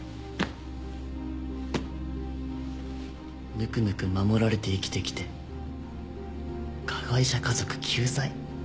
ぬくぬく守られて生きてきて加害者家族救済？